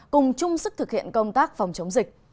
cùng chung sức thực hiện công tác phòng chống dịch